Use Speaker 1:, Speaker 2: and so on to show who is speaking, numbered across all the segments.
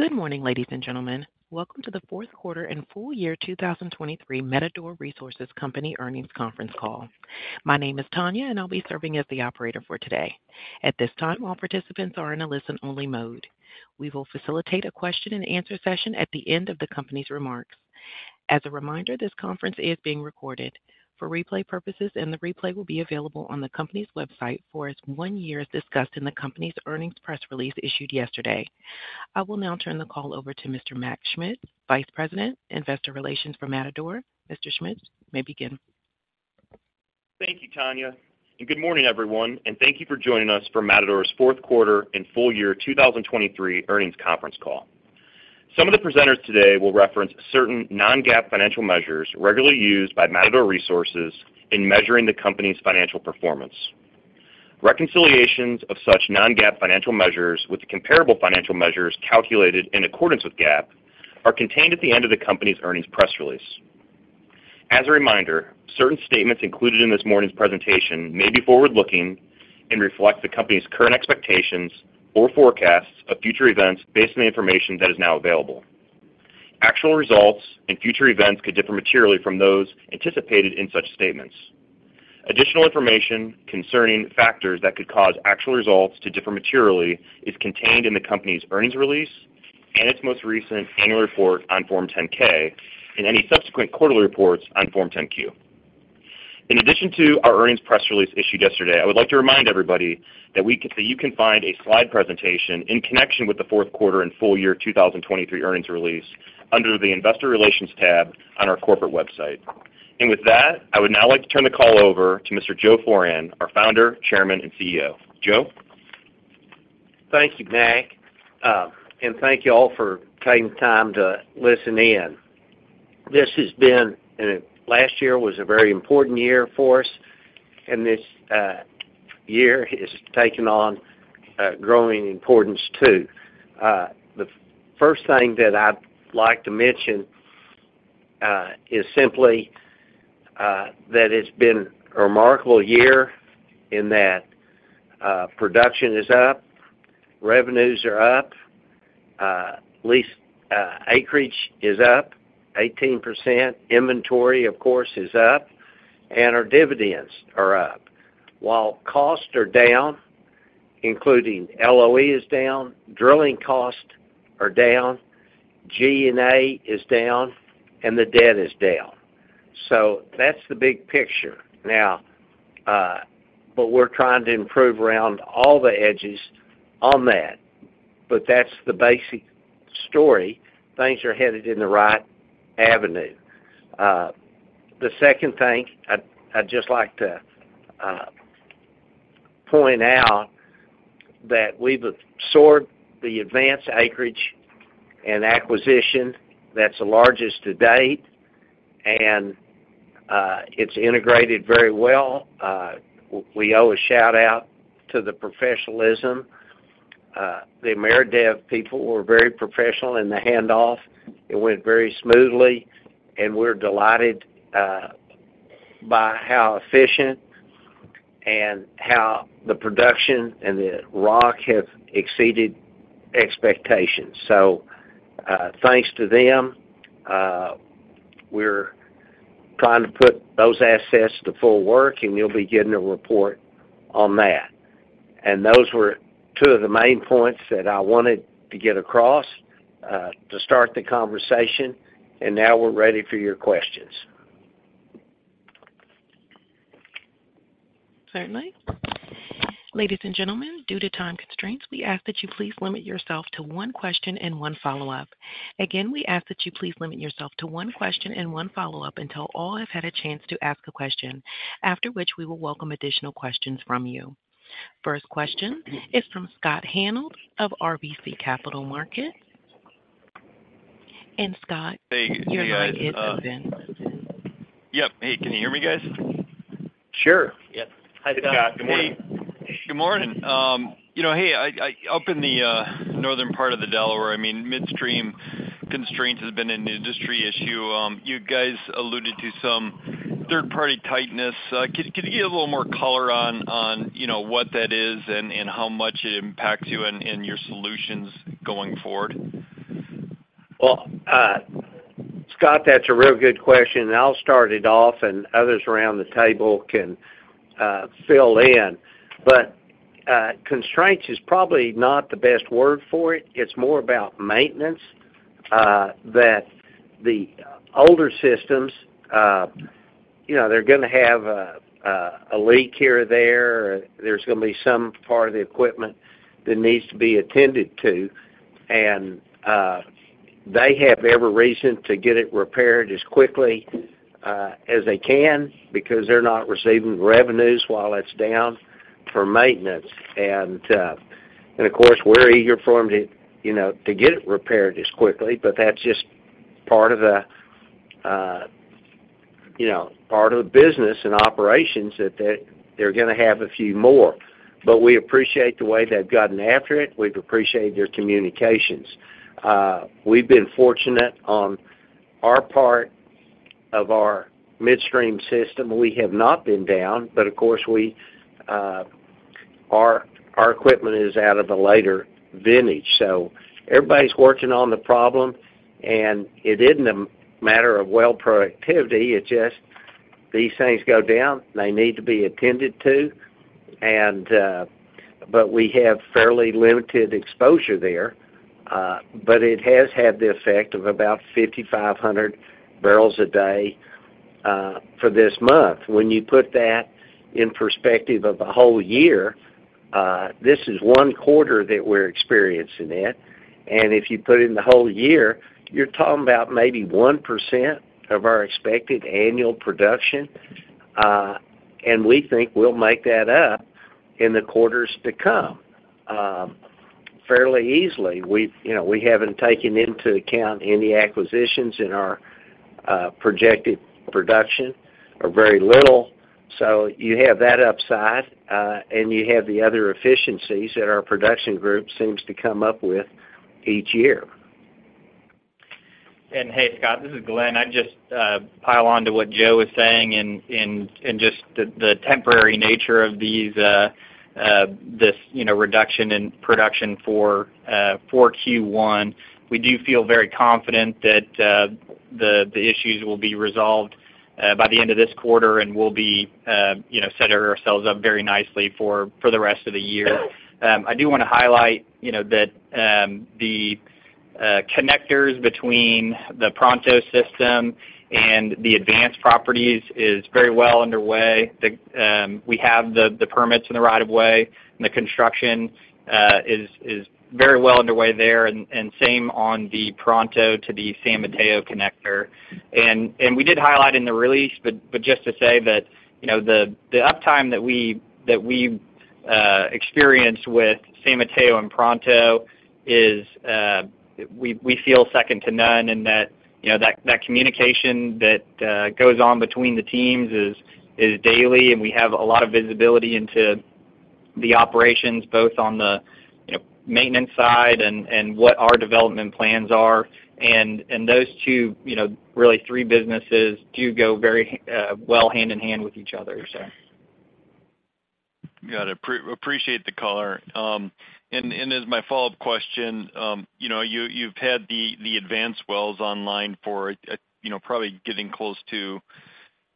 Speaker 1: Good morning, ladies and gentlemen. Welcome to the fourth quarter and full year 2023 Matador Resources Company earnings conference call. My name is Tanya, and I'll be serving as the operator for today. At this time, all participants are in a listen-only mode. We will facilitate a question-and-answer session at the end of the company's remarks. As a reminder, this conference is being recorded. For replay purposes, and the replay will be available on the company's website for as one year, as discussed in the company's earnings press release issued yesterday. I will now turn the call over to Mr. Mac Schmitz, Vice President, Investor Relations for Matador. Mr. Schmitz, you may begin.
Speaker 2: Thank you, Tanya, and good morning, everyone, and thank you for joining us for Matador's fourth quarter and full year 2023 earnings conference call. Some of the presenters today will reference certain non-GAAP financial measures regularly used by Matador Resources in measuring the company's financial performance. Reconciliations of such non-GAAP financial measures with the comparable financial measures calculated in accordance with GAAP are contained at the end of the company's earnings press release. As a reminder, certain statements included in this morning's presentation may be forward-looking and reflect the company's current expectations or forecasts of future events based on the information that is now available. Actual results and future events could differ materially from those anticipated in such statements. Additional information concerning factors that could cause actual results to differ materially is contained in the company's earnings release and its most recent annual report on Form 10-K and any subsequent quarterly reports on Form 10-Q. In addition to our earnings press release issued yesterday, I would like to remind everybody that you can find a slide presentation in connection with the fourth quarter and full year 2023 earnings release under the Investor Relations tab on our corporate website. And with that, I would now like to turn the call over to Mr. Joe Foran, our Founder, Chairman, and CEO. Joe?
Speaker 3: Thank you, Mac, and thank you all for taking the time to listen in. This has been, and last year was a very important year for us, and this year has taken on growing importance, too. The first thing that I'd like to mention is simply that it's been a remarkable year in that production is up, revenues are up, lease acreage is up 18%, inventory, of course, is up, and our dividends are up. While costs are down, including LOE is down, drilling costs are down, G&A is down, and the debt is down. So that's the big picture. Now, but we're trying to improve around all the edges on that, but that's the basic story. Things are headed in the right avenue. The second thing, I'd just like to point out that we've absorbed the Advance acreage and acquisition that's the largest to date, and it's integrated very well. We owe a shout-out to the professionalism. The Ameredev people were very professional in the handoff. It went very smoothly, and we're delighted by how efficient and how the production and the rock have exceeded expectations. So, thanks to them, we're trying to put those assets to full work, and you'll be getting a report on that. And those were two of the main points that I wanted to get across to start the conversation, and now we're ready for your questions.
Speaker 1: Certainly. Ladies and gentlemen, due to time constraints, we ask that you please limit yourself to one question and one follow-up. Again, we ask that you please limit yourself to one question and one follow-up until all have had a chance to ask a question, after which we will welcome additional questions from you. First question is from Scott Hanold of RBC Capital Markets. And Scott-
Speaker 4: Hey, hey.
Speaker 1: Your line is open.
Speaker 4: Yep. Hey, can you hear me, guys?
Speaker 3: Sure.
Speaker 2: Yep. Hi, Scott. Good morning.
Speaker 4: Good morning. You know, hey, up in the northern part of the Delaware, I mean, midstream constraints has been an industry issue. You guys alluded to some third-party tightness. Can you give a little more color on, you know, what that is and how much it impacts you and your solutions going forward?
Speaker 3: Well, Scott, that's a real good question, and I'll start it off, and others around the table can fill in. But constraints is probably not the best word for it. It's more about maintenance that the older systems, you know, they're gonna have a leak here or there. There's gonna be some part of the equipment that needs to be attended to, and they have every reason to get it repaired as quickly as they can because they're not receiving revenues while it's down for maintenance. And of course, we're eager for them to, you know, to get it repaired as quickly, but that's just part of the, you know, part of the business and operations that they, they're gonna have a few more. But we appreciate the way they've gotten after it. We've appreciated their communications. We've been fortunate on our part of our midstream system, we have not been down, but of course, our equipment is out of a later vintage. So everybody's working on the problem, and it isn't a matter of well productivity. It's just these things go down, they need to be attended to, and but we have fairly limited exposure there. But it has had the effect of about 5,500 barrels a day for this month. When you put that in perspective of the whole year, this is one quarter that we're experiencing it. And if you put it in the whole year, you're talking about maybe 1% of our expected annual production, and we think we'll make that up in the quarters to come, fairly easily. We've, you know, we haven't taken into account any acquisitions in our projected production or very little. So you have that upside, and you have the other efficiencies that our production group seems to come up with each year.
Speaker 5: Hey, Scott, this is Glenn. I just pile on to what Joe is saying in just the temporary nature of this you know reduction in production for Q1. We do feel very confident that the issues will be resolved by the end of this quarter, and we'll be you know setting ourselves up very nicely for the rest of the year. I do wanna highlight you know that the connectors between the Pronto system and the Advance properties is very well underway. We have the permits and the right of way, and the construction is very well underway there, and same on the Pronto to the San Mateo connector. We did highlight in the release, but just to say that, you know, the uptime that we experience with San Mateo and Pronto is, we feel second to none, and that, you know, that communication that goes on between the teams is daily, and we have a lot of visibility into the operations, both on the, you know, maintenance side and what our development plans are. And those two, you know, really three businesses do go very well hand in hand with each other, so.
Speaker 4: Got it. Appreciate the color. And as my follow-up question, you know, you've had the Advance wells online for, you know, probably getting close to,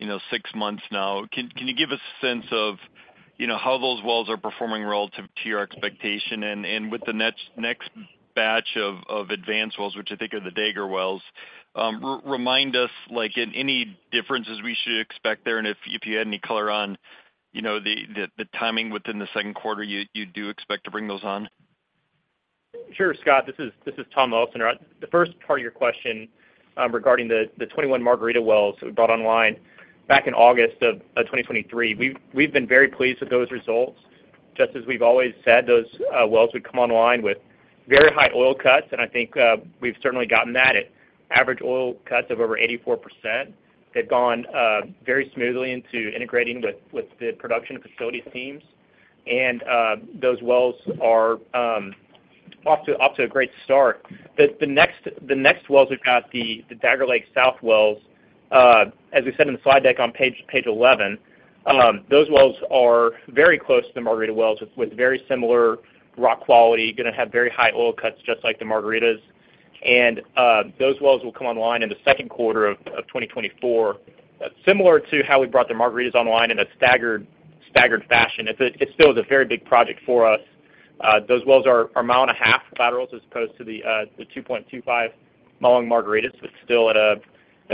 Speaker 4: you know, 6 months now. Can you give us a sense of, you know, how those wells are performing relative to your expectation? And with the next batch of Advance wells, which I think are the Dagger wells, remind us, like, of any differences we should expect there, and if you had any color on, you know, the timing within the second quarter, you do expect to bring those on?
Speaker 6: Sure, Scott. This is Tom Elsener. The first part of your question regarding the 21 Margarita wells we brought online back in August 2023. We've been very pleased with those results. Just as we've always said, those wells would come online with very high oil cuts, and I think we've certainly gotten that. At average oil cuts of over 84%, they've gone very smoothly into integrating with the production facilities teams. Those wells are off to a great start. The next wells we've got the Dagger Lake South wells. As we said in the slide deck on page 11, those wells are very close to the Margarita wells with very similar rock quality, gonna have very high oil cuts, just like the Margaritas. Those wells will come online in the second quarter of 2024, similar to how we brought the Margaritas online in a staggered fashion. It's still a very big project for us. Those wells are a mile and a half laterals as opposed to the 2.25-mile Margaritas, but still at a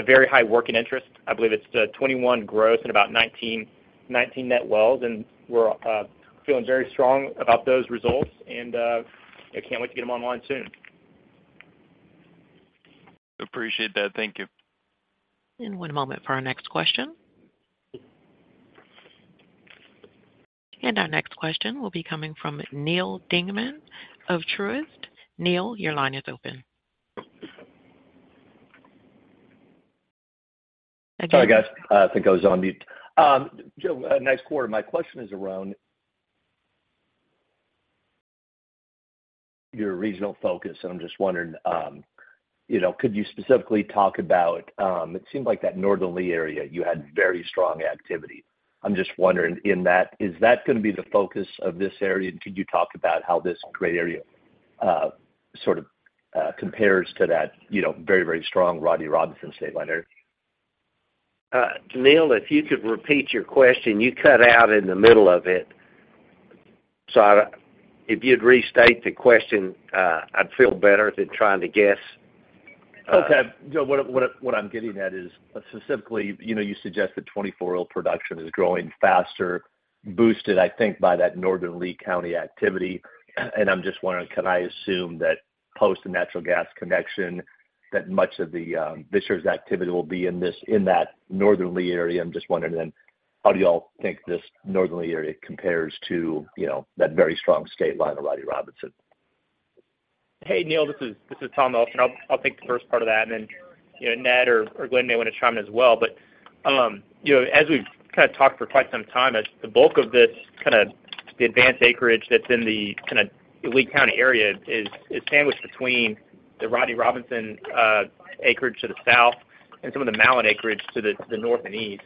Speaker 6: very high working interest. I believe it's 21 gross and about 19 net wells, and we're feeling very strong about those results, and I can't wait to get them online soon.
Speaker 4: Appreciate that. Thank you.
Speaker 1: One moment for our next question. Our next question will be coming from Neal Dingmann of Truist. Neal, your line is open.
Speaker 7: Sorry, guys, I think I was on mute. Joe, nice quarter. My question is around your regional focus, and I'm just wondering, you know, could you specifically talk about... It seemed like that Northern Lea area, you had very strong activity. I'm just wondering, in that, is that gonna be the focus of this area, and could you talk about how this gray area, sort of, compares to that, you know, very, very strong Rodney Robinson state line area? Neal, if you could repeat your question. You cut out in the middle of it. So I-- if you'd restate the question, I'd feel better than trying to guess. Okay. Joe, what, what, what I'm getting at is, specifically, you know, you suggest that 2024 oil production is growing faster, boosted, I think, by that Northern Lea County activity. And I'm just wondering, can I assume that post the natural gas connection, that much of the, this year's activity will be in this-- in that Northern Lea area? I'm just wondering then, how do y'all think this Northern Lea area compares to, you know, that very strong state line of Rodney Robinson?
Speaker 6: Hey, Neal, this is Tom Elsener. I'll take the first part of that, and then, you know, Ned or Glenn may want to chime in as well. You know, as we've kind of talked for quite some time, as the bulk of this kind of the Advance acreage that's in the kind of Lea County area is sandwiched between the Rodney Robinson acreage to the south and some of the Mallet acreage to the north and east.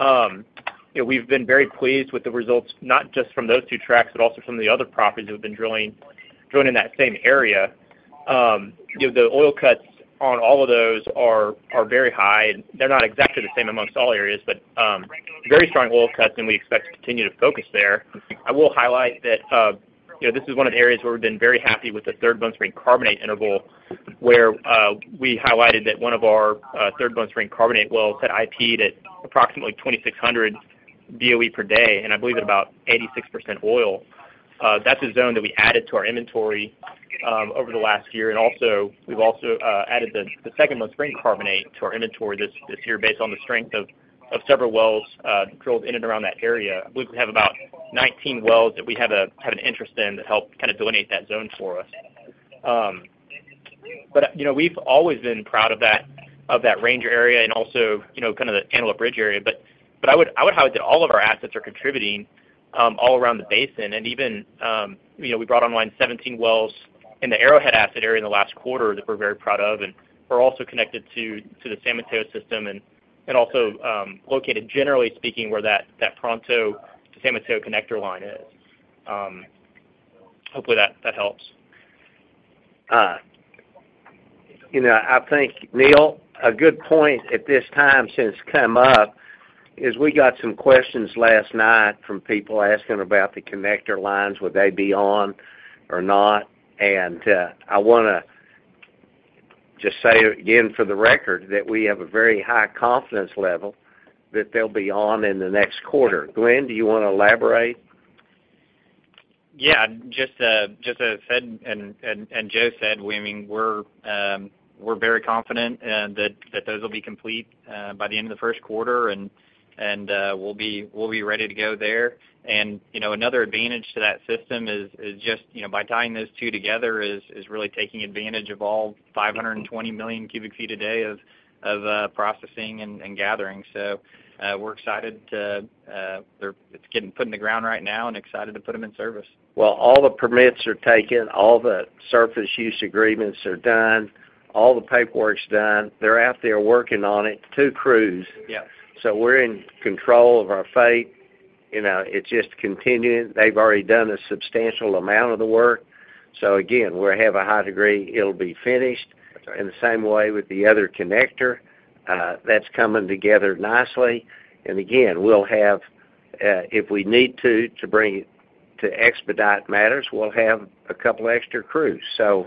Speaker 6: You know, we've been very pleased with the results, not just from those two tracts, but also some of the other properties that have been drilling in that same area. You know, the oil cuts on all of those are very high. They're not exactly the same amongst all areas, but very strong oil cuts, and we expect to continue to focus there. I will highlight that, you know, this is one of the areas where we've been very happy with the Third Bone Spring Carbonate interval, where we highlighted that one of our Third Bone Spring Carbonate wells had IP'd at approximately 2,600 BOE per day, and I believe at about 86% oil. That's a zone that we added to our inventory over the last year. And also, we've also added the Second Bone Spring Carbonate to our inventory this year based on the strength of several wells drilled in and around that area. I believe we have about 19 wells that we have have an interest in to help kind of delineate that zone for us. But, you know, we've always been proud of that, of that Ranger area and also, you know, kind of the Antelope Ridge area. But I would highlight that all of our assets are contributing, all around the basin. And even, you know, we brought online 17 wells in the Arrowhead asset area in the last quarter that we're very proud of, and we're also connected to the San Mateo system and also located, generally speaking, where that Pronto to San Mateo connector line is. Hopefully, that helps.
Speaker 3: You know, I think, Neal, a good point at this time since come up, is we got some questions last night from people asking about the connector lines, would they be on or not? And, I want to just say again, for the record, that we have a very high confidence level that they'll be on in the next quarter. Glenn, do you want to elaborate?
Speaker 5: Yeah, just, just as I said, and, and, Joe said, we mean, we're, we're very confident, that, that those will be complete, by the end of the first quarter, and, and, we'll be, we'll be ready to go there. And, you know, another advantage to that system is, is just, you know, by tying those two together is, is really taking advantage of all 520 million cubic feet a day of, of, processing and, and gathering. So, we're excited to, they're-- It's getting put in the ground right now and excited to put them in service.
Speaker 3: Well, all the permits are taken, all the surface use agreements are done, all the paperwork's done. They're out there working on it, two crews.
Speaker 5: Yep.
Speaker 3: So we're in control of our fate. You know, it's just continuing. They've already done a substantial amount of the work. So again, we have a high degree, it'll be finished. In the same way with the other connector, that's coming together nicely. And again, we'll have, if we need to, to bring it to expedite matters, we'll have a couple extra crews. So,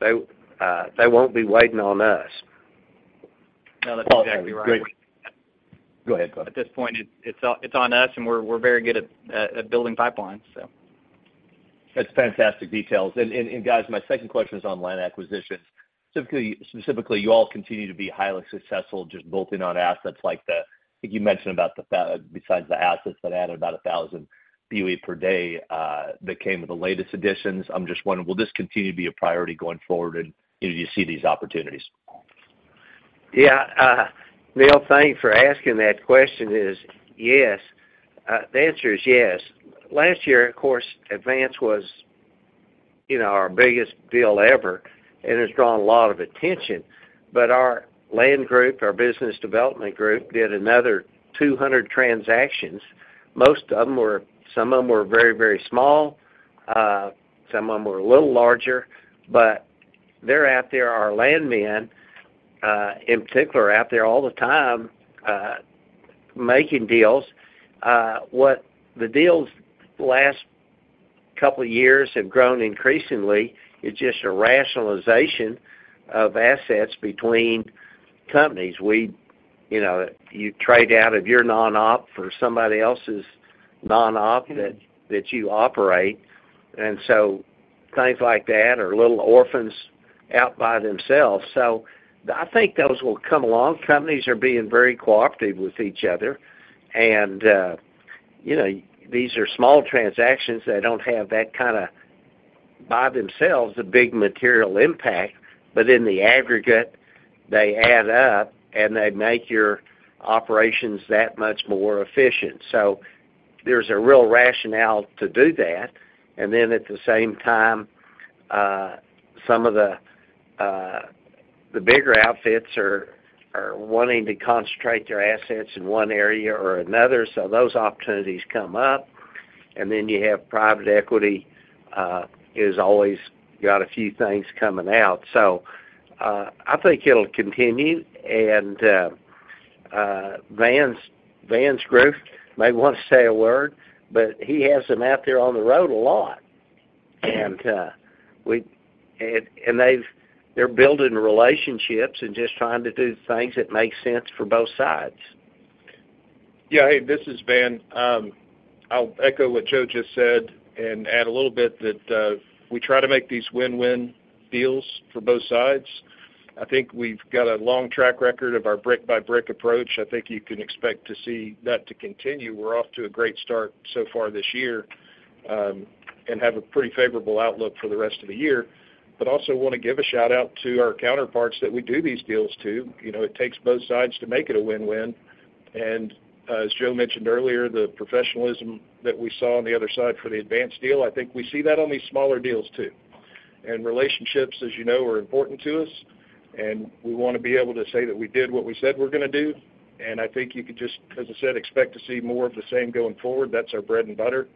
Speaker 3: they won't be waiting on us.
Speaker 5: No, that's exactly right.
Speaker 6: Go ahead, Glenn.
Speaker 5: At this point, it's on us, and we're very good at building pipelines, so.
Speaker 7: That's fantastic details. And guys, my second question is on land acquisitions. Typically, specifically, you all continue to be highly successful just bolting on assets like the... I think you mentioned about the, besides the assets that added about 1,000 BOE per day, that came with the latest additions. I'm just wondering, will this continue to be a priority going forward, and do you see these opportunities?
Speaker 3: Yeah, Neal, thank you for asking that question is, yes. The answer is yes. Last year, of course, Advance was, you know, our biggest deal ever, and it's drawn a lot of attention. But our land group, our business development group, did another 200 transactions. Most of them were—some of them were very, very small, some of them were a little larger, but they're out there, our landmen, in particular, are out there all the time, making deals. What the deals last couple of years have grown increasingly, it's just a rationalization of assets between companies. We, you know, you trade out of your non-op for somebody else's non-op that, that you operate. And so things like that are little orphans out by themselves. So I think those will come along. Companies are being very cooperative with each other, and, you know, these are small transactions. They don't have that kind of, by themselves, a big material impact, but in the aggregate, they add up, and they make your operations that much more efficient. So there's a real rationale to do that. And then, at the same time, some of the, the bigger outfits are, are wanting to concentrate their assets in one area or another, so those opportunities come up. And then you have private equity has always got a few things coming out. So, I think it'll continue. And, Van's group may want to say a word, but he has them out there on the road a lot. And, we-- And, and they've-- they're building relationships and just trying to do things that make sense for both sides.
Speaker 8: Yeah, hey, this is Van. I'll echo what Joe just said and add a little bit that we try to make these win-win deals for both sides. I think we've got a long track record of our brick-by-brick approach. I think you can expect to see that to continue. We're off to a great start so far this year, and have a pretty favorable outlook for the rest of the year. ...but also want to give a shout out to our counterparts that we do these deals to. You know, it takes both sides to make it a win-win. And, as Joe mentioned earlier, the professionalism that we saw on the other side for the Advance deal, I think we see that on these smaller deals, too. And relationships, as you know, are important to us, and we want to be able to say that we did what we said we're going to do. And I think you could just, as I said, expect to see more of the same going forward. That's our bread and butter.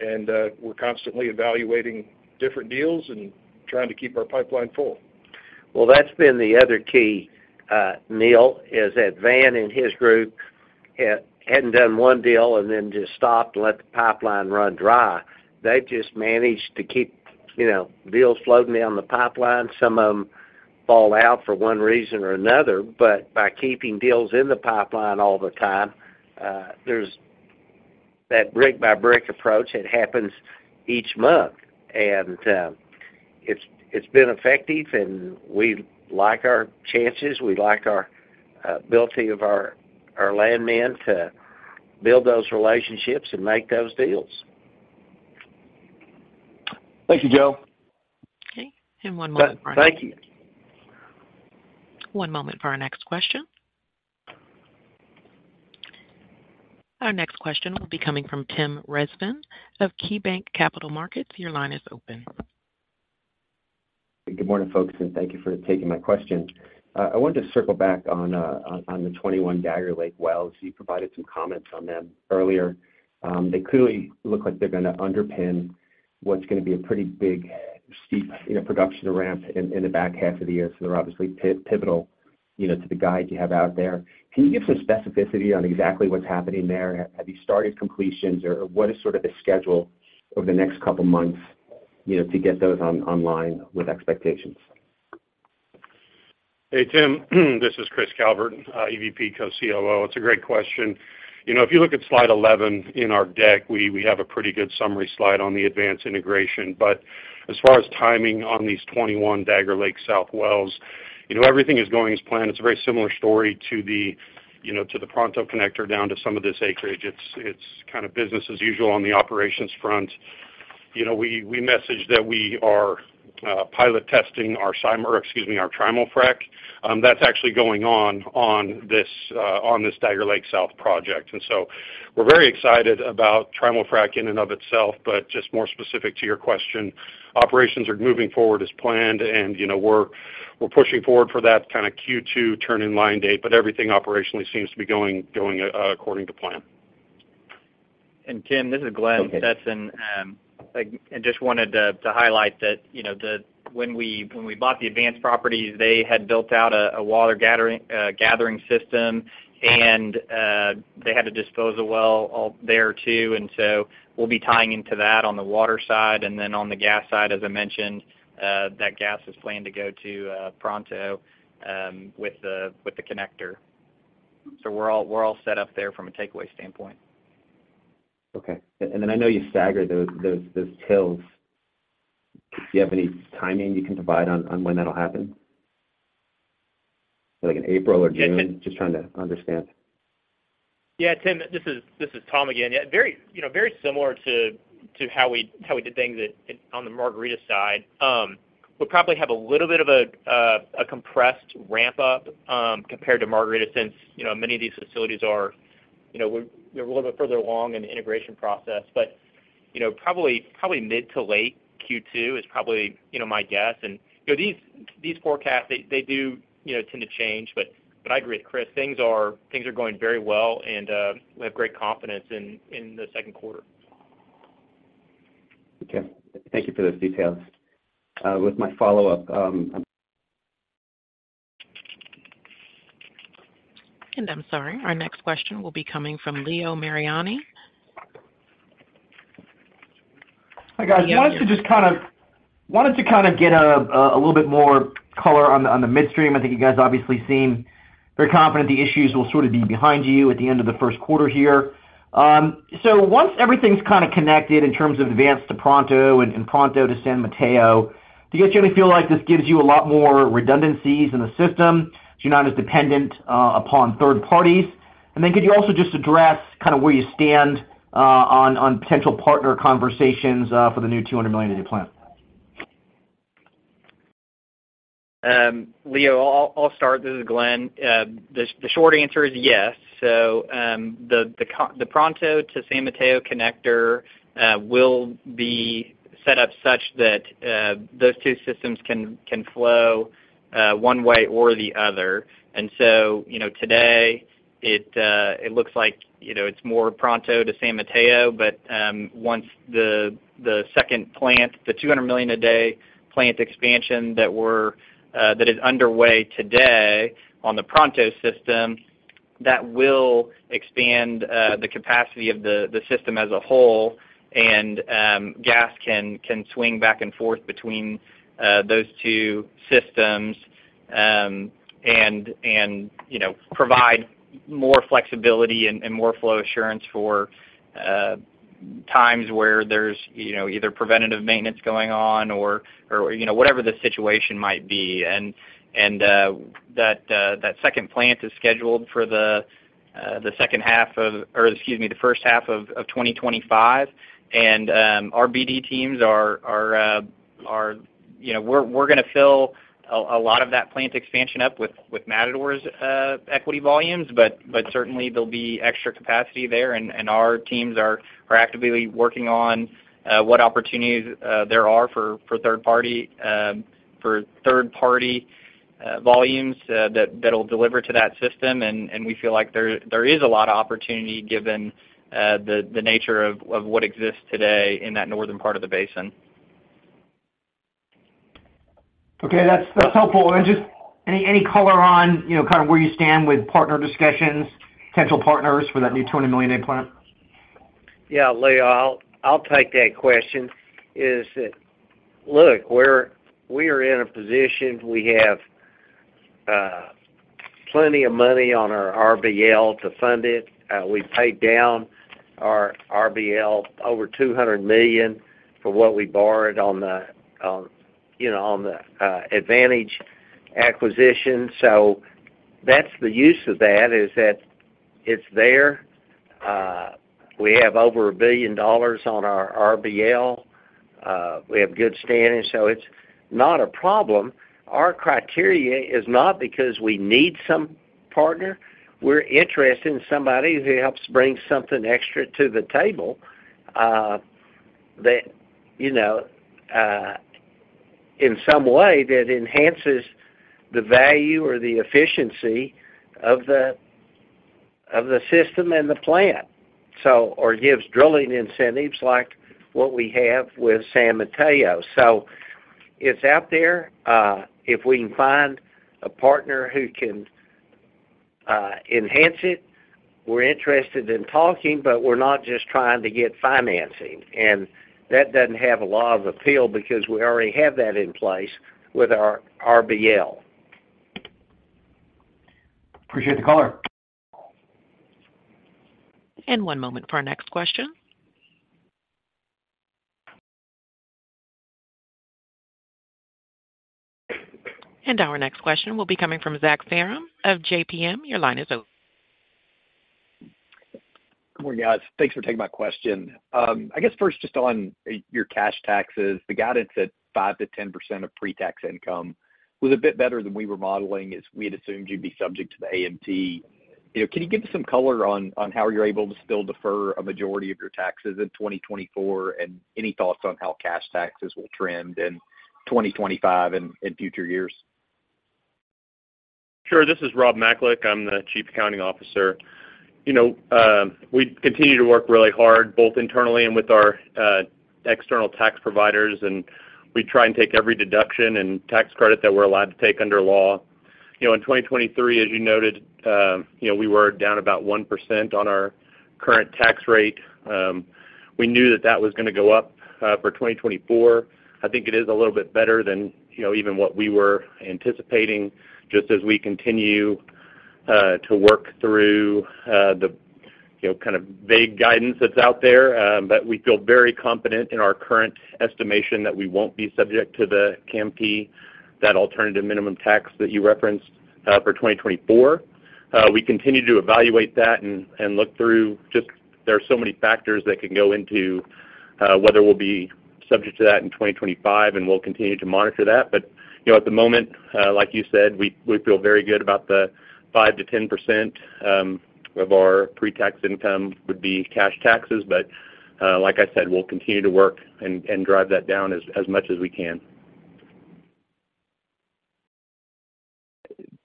Speaker 8: And, we're constantly evaluating different deals and trying to keep our pipeline full.
Speaker 3: Well, that's been the other key, Neil, is that Van and his group hadn't done one deal and then just stopped and let the pipeline run dry. They just managed to keep, you know, deals floating down the pipeline. Some of them fall out for one reason or another, but by keeping deals in the pipeline all the time, there's that brick by brick approach, it happens each month. And it's been effective, and we like our chances. We like our ability of our landmen to build those relationships and make those deals.
Speaker 7: Thank you, Joe.
Speaker 1: Okay, one moment for our next-
Speaker 3: Thank you.
Speaker 1: One moment for our next question. Our next question will be coming from Tim Rezvan of KeyBanc Capital Markets. Your line is open.
Speaker 9: Good morning, folks, and thank you for taking my question. I wanted to circle back on the 21 Dagger Lake wells. You provided some comments on them earlier. They clearly look like they're going to underpin what's going to be a pretty big, steep, you know, production ramp in the back half of the year. So they're obviously pivotal, you know, to the guide you have out there. Can you give some specificity on exactly what's happening there? Have you started completions, or what is sort of the schedule over the next couple months, you know, to get those online with expectations?
Speaker 10: Hey, Tim, this is Chris Calvert, EVP, Co-COO. It's a great question. You know, if you look at slide 11 in our deck, we, we have a pretty good summary slide on the Advance integration. But as far as timing on these 21 Dagger Lake South wells, you know, everything is going as planned. It's a very similar story to the, you know, to the Pronto connector down to some of this acreage. It's, it's kind of business as usual on the operations front. You know, we, we message that we are, pilot testing our sim-- or excuse me, our trimul-frac. That's actually going on, on this, on this Dagger Lake South project. So we're very excited about trimul-frac in and of itself, but just more specific to your question, operations are moving forward as planned, and, you know, we're pushing forward for that kind of Q2 turn in line date, but everything operationally seems to be going, according to plan.
Speaker 5: Tim, this is Glenn Stetson. I just wanted to highlight that, you know, the, when we bought the Advance properties, they had built out a water gathering system, and they had a disposal well out there, too. So we'll be tying into that on the water side. Then on the gas side, as I mentioned, that gas is planned to go to Pronto with the connector. So we're all set up there from a takeaway standpoint.
Speaker 9: Okay. And then I know you staggered those tails. Do you have any timing you can provide on when that'll happen? Like in April or June? Just trying to understand.
Speaker 6: Yeah, Tim, this is, this is Tom again. Yeah, very, you know, very similar to, to how we, how we did things at, on the Margarita side. We'll probably have a little bit of a compressed ramp-up compared to Margarita, since, you know, many of these facilities are, you know, they're a little bit further along in the integration process. But, you know, probably, probably mid to late Q2 is probably, you know, my guess. And, you know, these, these forecasts, they, they do, you know, tend to change, but, but I agree with Chris. Things are, things are going very well, and we have great confidence in, in the second quarter.
Speaker 9: Okay. Thank you for those details. With my follow-up,
Speaker 1: I'm sorry. Our next question will be coming from Leo Mariani.
Speaker 11: Hi, guys.
Speaker 1: Leo-
Speaker 11: I just wanted to kind of get a little bit more color on the midstream. I think you guys obviously seem very confident the issues will sort of be behind you at the end of the first quarter here. So once everything's kind of connected in terms of Advance to Pronto and Pronto to San Mateo, do you guys generally feel like this gives you a lot more redundancies in the system, so you're not as dependent upon third parties? And then could you also just address kind of where you stand on potential partner conversations for the new 200 million a day plant?
Speaker 5: Leo, I'll start. This is Glenn. The short answer is yes. So, the Pronto to San Mateo connector will be set up such that those two systems can flow one way or the other. And so, you know, today, it looks like, you know, it's more Pronto to San Mateo, but once the second plant, the 200 million a day plant expansion that is underway today on the Pronto system, that will expand the capacity of the system as a whole, and gas can swing back and forth between those two systems. And, and, you know, provide more flexibility and, and more flow assurance for times where there's, you know, either preventative maintenance going on or, or, you know, whatever the situation might be. And, and that, that second plant is scheduled for the, the second half of, or excuse me, the first half of 2025.... And, our BD teams are, you know, we're gonna fill a lot of that plant expansion up with Matador's equity volumes. But certainly there'll be extra capacity there, and our teams are actively working on what opportunities there are for third-party volumes that'll deliver to that system. And we feel like there is a lot of opportunity, given the nature of what exists today in that northern part of the basin.
Speaker 11: Okay, that's, that's helpful. And just any, any color on, you know, kind of where you stand with partner discussions, potential partners for that new 20 million a plant?
Speaker 3: Yeah, Leo, I'll take that question. Look, we're in a position. We have plenty of money on our RBL to fund it. We paid down our RBL over $200 million from what we borrowed on the, you know, on the Advance acquisition. So that's the use of that, it's there. We have over $1 billion on our RBL. We have good standing, so it's not a problem. Our criteria is not because we need some partner. We're interested in somebody who helps bring something extra to the table, you know, in some way that enhances the value or the efficiency of the system and the plant, or gives drilling incentives like what we have with San Mateo. So it's out there. If we can find a partner who can enhance it, we're interested in talking, but we're not just trying to get financing, and that doesn't have a lot of appeal because we already have that in place with our RBL.
Speaker 11: Appreciate the color.
Speaker 1: One moment for our next question. Our next question will be coming from Zach Parham of JPM. Your line is open.
Speaker 12: Good morning, guys. Thanks for taking my question. I guess first, just on your cash taxes, the guidance at 5% to 10% of pre-tax income was a bit better than we were modeling, as we had assumed you'd be subject to the AMT. You know, can you give us some color on how you're able to still defer a majority of your taxes in 2024, and any thoughts on how cash taxes will trend in 2025 and future years?
Speaker 13: Sure. This is Rob Macalik, I'm the Chief Accounting Officer. You know, we continue to work really hard, both internally and with our external tax providers, and we try and take every deduction and tax credit that we're allowed to take under law. You know, in 2023, as you noted, you know, we were down about 1% on our current tax rate. We knew that that was gonna go up for 2024. I think it is a little bit better than, you know, even what we were anticipating, just as we continue to work through the, you know, kind of vague guidance that's out there. But we feel very confident in our current estimation that we won't be subject to the AMT, that alternative minimum tax that you referenced for 2024. We continue to evaluate that and, and look through. Just there are so many factors that can go into whether we'll be subject to that in 2025, and we'll continue to monitor that. But, you know, at the moment, like you said, we, we feel very good about the 5% to 10% of our pre-tax income would be cash taxes. But, like I said, we'll continue to work and, and drive that down as, as much as we can.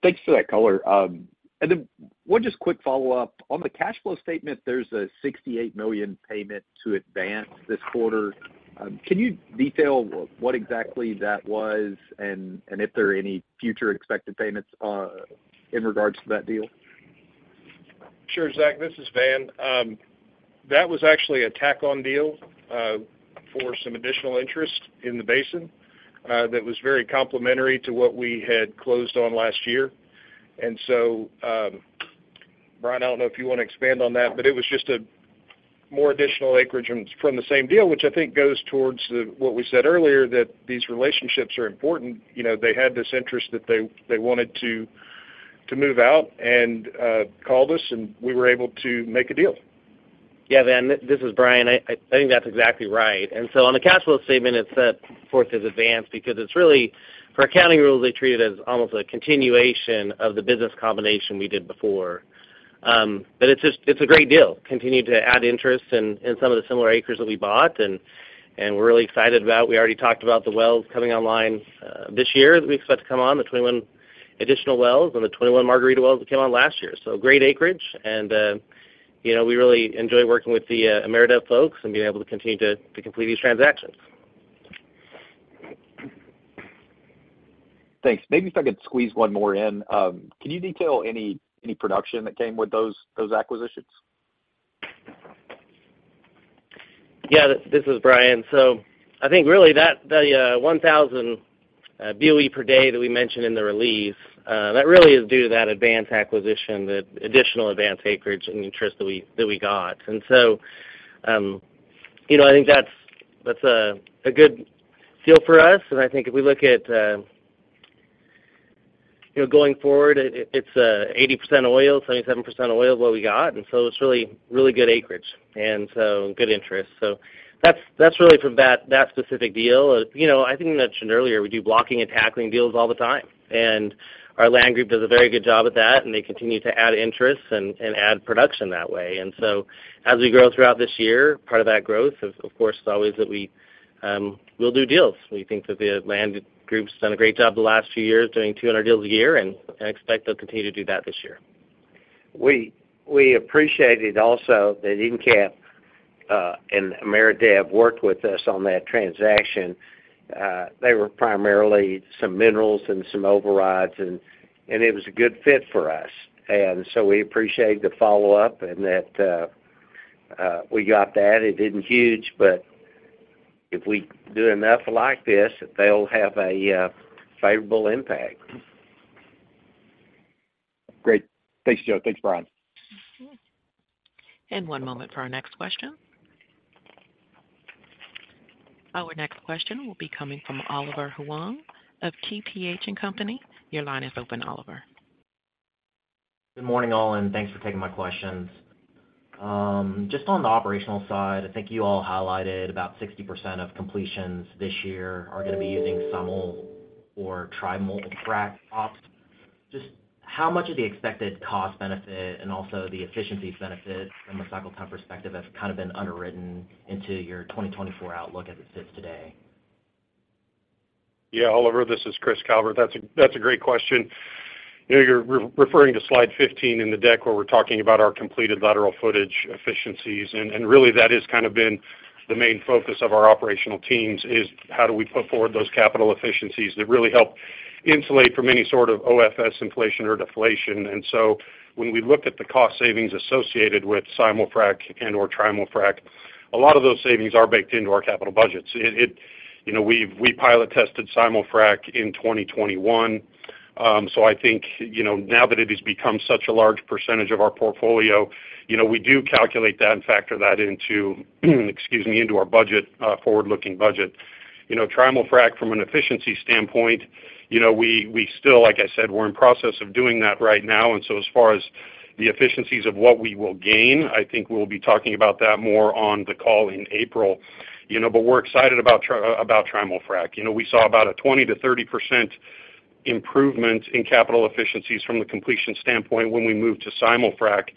Speaker 12: Thanks for that color. And then one just quick follow-up. On the cash flow statement, there's a $68 million payment to Advance this quarter. Can you detail what exactly that was and, and if there are any future expected payments, in regards to that deal?
Speaker 8: Sure, Zach, this is Van. That was actually a tack-on deal for some additional interest in the basin that was very complementary to what we had closed on last year. And so, Brian, I don't know if you wanna expand on that, but it was just more additional acreage from the same deal, which I think goes towards what we said earlier, that these relationships are important. You know, they had this interest that they wanted to move out, and called us, and we were able to make a deal.
Speaker 14: Yeah, Van, this is Brian. I think that's exactly right. And so on the cash flow statement, it set forth as Advance because it's really, for accounting rules, they treat it as almost a continuation of the business combination we did before. But it's just, it's a great deal. Continue to add interest in some of the similar acres that we bought, and we're really excited about. We already talked about the wells coming online this year that we expect to come on, the 21 additional wells and the 21 Margarita wells that came on last year. So great acreage and you know, we really enjoy working with the Ameredev folks and being able to continue to complete these transactions.
Speaker 12: Thanks. Maybe if I could squeeze one more in. Can you detail any production that came with those acquisitions?
Speaker 14: Yeah, this is Brian. So I think really that the 1,000 BOE per day that we mentioned in the release, that really is due to that Advance acquisition, the additional Advance acreage and interest that we got. And so, you know, I think that's a good deal for us, and I think if we look at,...
Speaker 15: you know, going forward, it's 80% oil, 77% oil is what we got, and so it's really, really good acreage, and so good interest. So that's really for that specific deal. You know, I think I mentioned earlier, we do blocking and tackling deals all the time, and our land group does a very good job at that, and they continue to add interest and add production that way. And so as we grow throughout this year, part of that growth, of course, is always that we will do deals. We think that the land group's done a great job the last few years doing 200 deals a year, and I expect they'll continue to do that this year.
Speaker 3: We appreciated also that EnCap and Ameredev worked with us on that transaction. They were primarily some minerals and some overrides, and it was a good fit for us. And so we appreciate the follow-up and that we got that. It isn't huge, but if we do enough like this, they'll have a favorable impact.
Speaker 12: Great. Thanks, Joe. Thanks, Brian.
Speaker 1: One moment for our next question. Our next question will be coming from Oliver Huang of TPH & Co. Your line is open, Oliver.
Speaker 16: Good morning, all, and thanks for taking my questions. Just on the operational side, I think you all highlighted about 60% of completions this year are going to be using simul-frac or trimul-frac ops. Just how much of the expected cost benefit and also the efficiency benefit from a cycle time perspective has kind of been underwritten into your 2024 outlook as it sits today?
Speaker 10: Yeah, Oliver, this is Chris Calvert. That's a great question. You know, you're referring to slide 15 in the deck, where we're talking about our completed lateral footage efficiencies. And really, that has kind of been the main focus of our operational teams, is how do we put forward those capital efficiencies that really help insulate from any sort of OFS inflation or deflation. And so when we look at the cost savings associated with simul-frac and/or trimul-frac, a lot of those savings are baked into our capital budgets. It you know, we pilot tested simul-frac in 2021. So I think, you know, now that it has become such a large percentage of our portfolio, you know, we do calculate that and factor that into, excuse me, into our budget, forward-looking budget. You know, trimul-frac, from an efficiency standpoint, you know, we still, like I said, we're in process of doing that right now. And so as far as the efficiencies of what we will gain, I think we'll be talking about that more on the call in April. You know, but we're excited about trimul-frac. You know, we saw about a 20% to 30% improvement in capital efficiencies from the completion standpoint when we moved to simul-frac.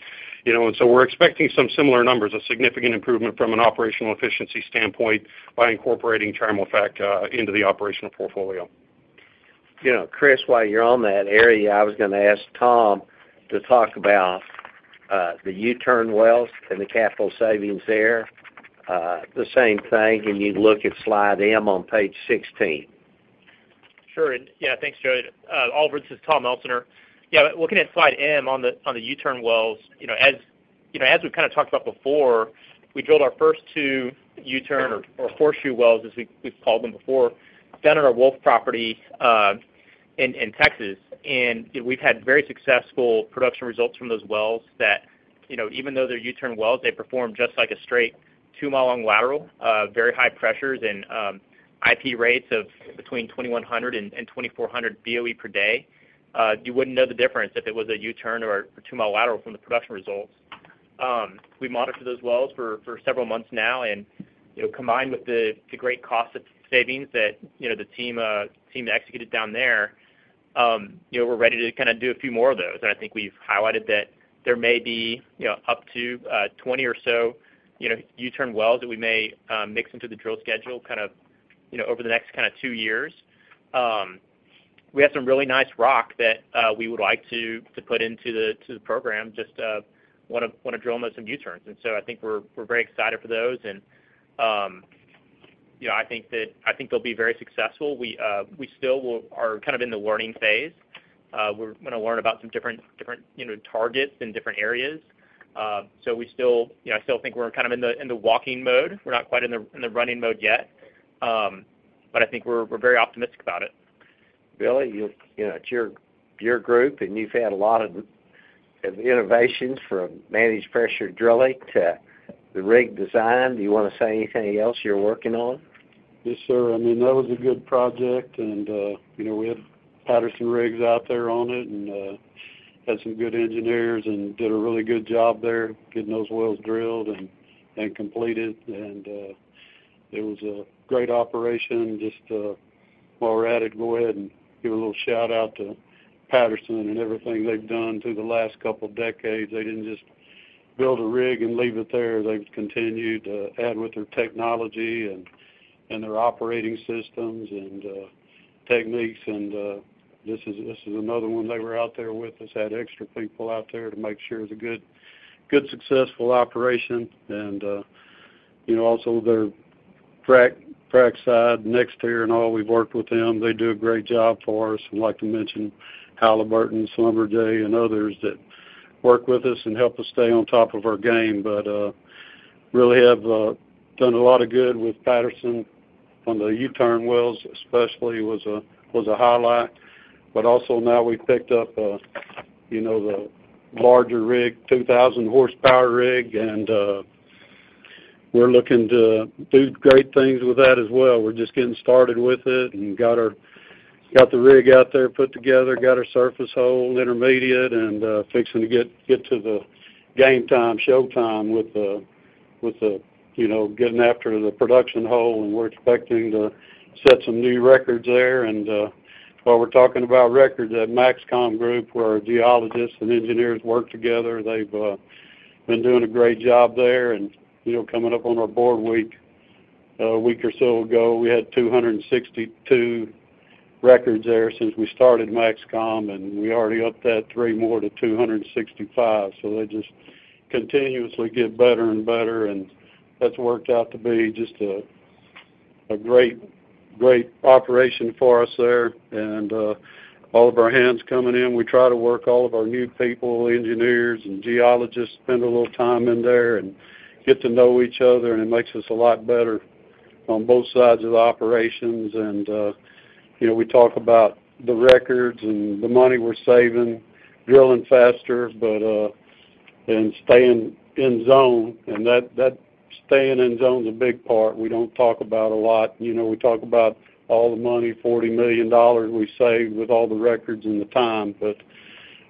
Speaker 10: You know, and so we're expecting some similar numbers, a significant improvement from an operational efficiency standpoint by incorporating trimul-frac into the operational portfolio.
Speaker 3: You know, Chris, while you're on that area, I was going to ask Tom to talk about the U-turn wells and the capital savings there. The same thing, can you look at slide M on page 16?
Speaker 6: Sure. Yeah, thanks, Joe. Oliver, this is Tom Elsener. Yeah, looking at slide M on the U-turn wells, you know, as you know, as we've kind of talked about before, we drilled our first two U-turn or horseshoe wells, as we've called them before, down on our Wolf property in Texas. You know, we've had very successful production results from those wells that you know even though they're U-turn wells, they perform just like a straight two-mile long lateral, very high pressures and IP rates of between 2,100 and 2,400 BOE per day. You wouldn't know the difference if it was a U-turn or a two-mile lateral from the production results. We monitored those wells for several months now, and, you know, combined with the great cost of savings that, you know, the team executed down there, you know, we're ready to kind of do a few more of those. And I think we've highlighted that there may be, you know, up to 20 or so, you know, U-turn wells that we may mix into the drill schedule kind of, you know, over the next kind of 2 years. We have some really nice rock that we would like to put into the program, just want to drill them as some U-turns. And so I think we're very excited for those. And you know, I think that they'll be very successful. We still are kind of in the learning phase. We're gonna learn about some different, you know, targets in different areas. So we still, you know, I still think we're kind of in the walking mode. We're not quite in the running mode yet. But I think we're very optimistic about it.
Speaker 3: Billy, you know, it's your group, and you've had a lot of innovations from managed pressure drilling to the rig design. Do you want to say anything else you're working on?
Speaker 15: Yes, sir. I mean, that was a good project, and, you know, we had Patterson rigs out there on it and, had some good engineers and did a really good job there, getting those wells drilled and completed. And, it was a great operation. Just, while we're at it, go ahead and give a little shout-out to Patterson and everything they've done through the last couple decades. They didn't just build a rig and leave it there. They've continued to add with their technology and their operating systems and techniques. And, this is another one they were out there with us, had extra people out there to make sure it was a good, good, successful operation. And, you know, also their frac side, NexTier and all, we've worked with them. They do a great job for us. I'd like to mention Halliburton, Schlumberger, and others that work with us and help us stay on top of our game. But really have done a lot of good with Patterson on the U-turn wells, especially was a highlight. But also now we've picked up, you know, the larger rig, 2000 horsepower rig, and... We're looking to do great things with that as well. We're just getting started with it and got our, got the rig out there put together, got our surface hole intermediate, and fixing to get to the game time, showtime with the, with the you know, getting after the production hole, and we're expecting to set some new records there. And while we're talking about records, at MAXCOM Group, where our geologists and engineers work together, they've been doing a great job there. You know, coming up on our board week, a week or so ago, we had 262 records there since we started MAXCOM, and we already upped that three more to 265. They just continuously get better and better, and that's worked out to be just a great, great operation for us there. All of our hands coming in, we try to work all of our new people, engineers, and geologists, spend a little time in there and get to know each other, and it makes us a lot better on both sides of the operations. You know, we talk about the records and the money we're saving, drilling faster, but and staying in zone, and that staying in zone is a big part. We don't talk about a lot. You know, we talk about all the money, $40 million we saved with all the records and the time. But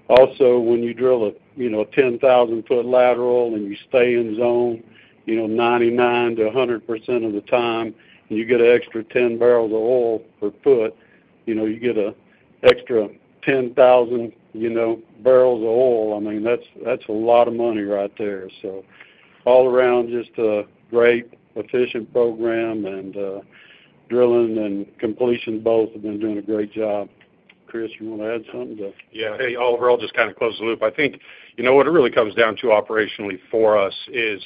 Speaker 15: also, when you drill a, you know, a 10,000-foot lateral and you stay in zone, you know, 99% to 100% of the time, and you get an extra 10 barrels of oil per foot, you know, you get a extra 10,000, you know, barrels of oil. I mean, that's, that's a lot of money right there. So all around, just a great, efficient program, and drilling and completion both have been doing a great job. Chris, you want to add something to?
Speaker 10: Yeah. Hey, Oliver, I'll just kind of close the loop. I think, you know, what it really comes down to operationally for us is,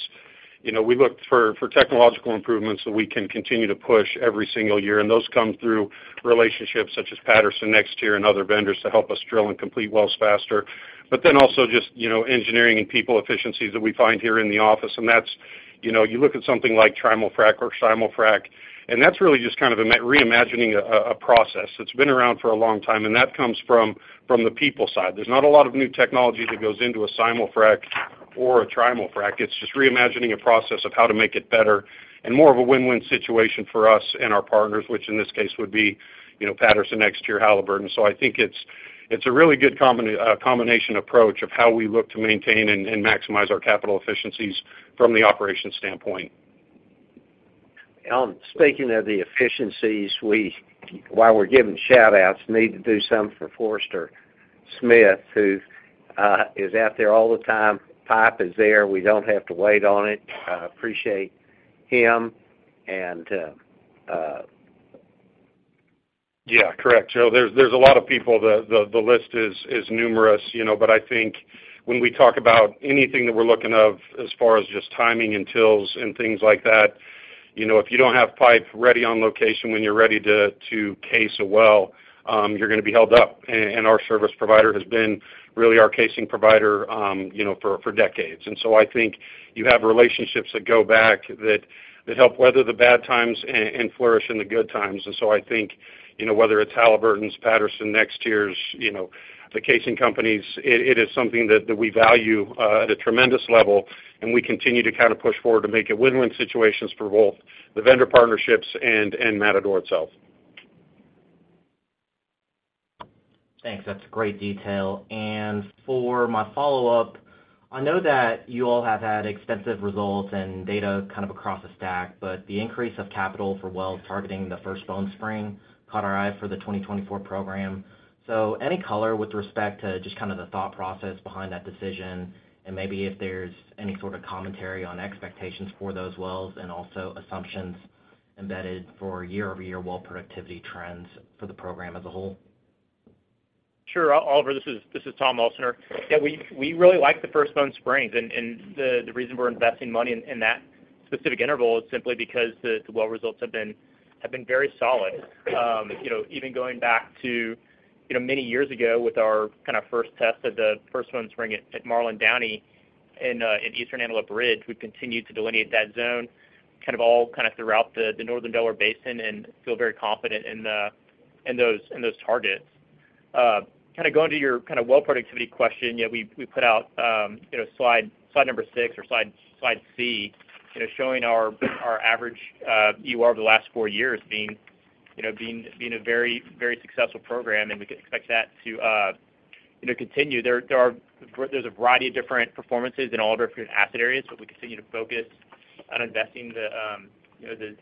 Speaker 10: you know, we look for technological improvements that we can continue to push every single year, and those come through relationships such as Patterson, NexTier, and other vendors to help us drill and complete wells faster. But then also just, you know, engineering and people efficiencies that we find here in the office, and that's, you know, you look at something like trimul-frac or simul-frac, and that's really just kind of reimagining a process that's been around for a long time, and that comes from the people side. There's not a lot of new technology that goes into a simul-frac or a trimul-frac. It's just reimagining a process of how to make it better and more of a win-win situation for us and our partners, which in this case would be, you know, Patterson, NexTier, Halliburton. So I think it's a really good combination approach of how we look to maintain and maximize our capital efficiencies from the operations standpoint.
Speaker 3: Speaking of the efficiencies, we, while we're giving shout-outs, need to do some for Forrester Smith, who is out there all the time. Pipe is there. We don't have to wait on it. I appreciate him and,
Speaker 10: Yeah, correct, Joe. There's a lot of people. The list is numerous, you know, but I think when we talk about anything that we're looking at as far as just timing and tools and things like that, you know, if you don't have pipe ready on location when you're ready to case a well, you're going to be held up, and our service provider has been really our casing provider, you know, for decades. And so I think you have relationships that go back that help weather the bad times and flourish in the good times. I think, you know, whether it's Halliburton, Patterson, NexTier's, you know, the casing companies, it is something that we value at a tremendous level, and we continue to kind of push forward to make it win-win situations for both the vendor partnerships and Matador itself.
Speaker 16: Thanks. That's great detail. For my follow-up, I know that you all have had extensive results and data kind of across the stack, but the increase of capital for wells targeting the First Bone Spring caught our eye for the 2024 program. Any color with respect to just kind of the thought process behind that decision, and maybe if there's any sort of commentary on expectations for those wells, and also assumptions embedded for year-over-year well productivity trends for the program as a whole?
Speaker 6: Sure, Oliver, this is Tom Elsener. Yeah, we really like the First Bone Spring, and the reason we're investing money in that specific interval is simply because the well results have been very solid. You know, even going back to you know, many years ago with our kind of first test of the First Bone Spring at Marlan Downey in Eastern Antelope Ridge, we've continued to delineate that zone kind of all throughout the Northern Delaware Basin and feel very confident in those targets. Kind of going to your kind of well productivity question, yeah, we, we put out, you know, slide, slide number 6 or slide, slide C, you know, showing our, our average, EUR over the last 4 years being, you know, being, being a very, very successful program, and we could expect that to, you know, continue. There's a variety of different performances in all of our different asset areas, but we continue to focus on investing the, you know, the,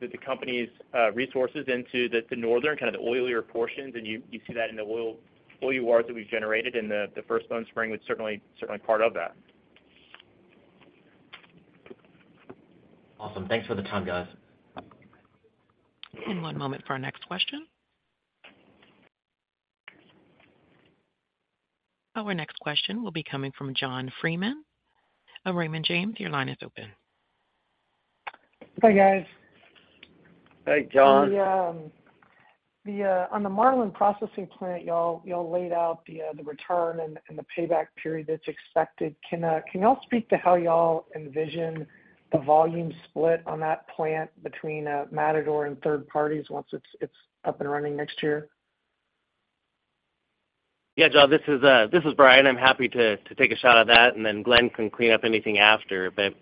Speaker 6: the, the company's, resources into the northern, kind of the oilier portions, and you see that in the oil EURs that we've generated, and the First Bone Spring was certainly part of that.
Speaker 16: Awesome. Thanks for the time, guys.
Speaker 1: One moment for our next question. Our next question will be coming from John Freeman of Raymond James. Your line is open.
Speaker 17: Hi, guys.
Speaker 10: Hey, John.
Speaker 17: On the Marlan processing plant, y'all laid out the return and the payback period that's expected. Can y'all speak to how y'all envision the volume split on that plant between Matador and third parties once it's up and running next year?...
Speaker 14: Yeah, John, this is Brian. I'm happy to take a shot at that, and then Glenn can clean up anything after. But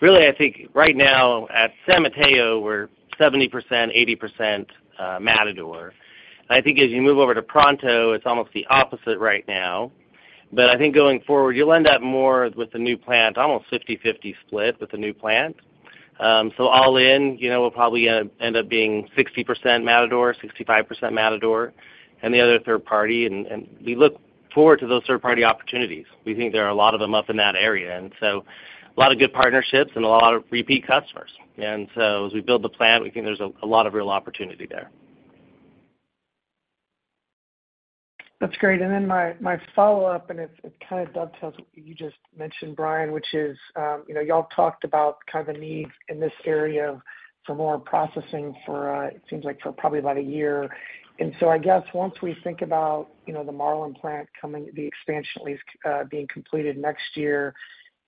Speaker 14: really, I think right now at San Mateo, we're 70%, 80% Matador. I think as you move over to Pronto, it's almost the opposite right now. But I think going forward, you'll end up more with the new plant, almost 50/50 split with the new plant. So all in, you know, we'll probably end up being 60% to 65% Matador, and the other third party, and we look forward to those third-party opportunities. We think there are a lot of them up in that area, and so a lot of good partnerships and a lot of repeat customers. And so as we build the plant, we think there's a lot of real opportunity there.
Speaker 17: That's great. And then my follow-up, and it kind of dovetails what you just mentioned, Brian, which is, you know, y'all talked about kind of a need in this area for more processing for, it seems like for probably about a year. And so I guess once we think about, you know, the Marlan plant coming, the expansion at least being completed next year,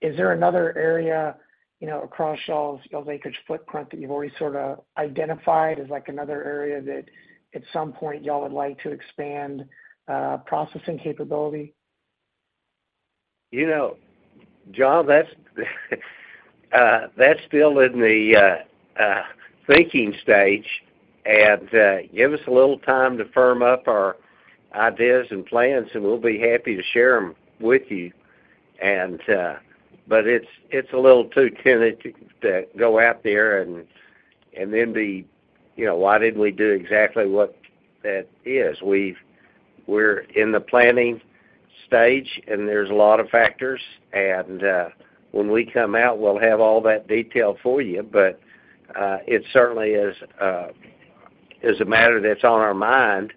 Speaker 17: is there another area, you know, across y'all's acreage footprint that you've already sort of identified as, like, another area that at some point y'all would like to expand processing capability?
Speaker 3: You know, John, that's still in the thinking stage. And, give us a little time to firm up our ideas and plans, and we'll be happy to share them with you. And, but it's a little too tentative to go out there and then be, you know, why didn't we do exactly what that is? We're in the planning stage, and there's a lot of factors, and when we come out, we'll have all that detail for you. But, it certainly is a matter that's on our mind,